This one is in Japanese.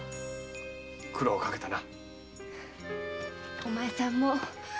お前さんも。